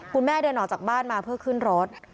คุณแม่เดินออกจากบ้านมาเพื่อขึ้นรถ